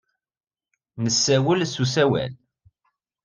Nessawel s usawal.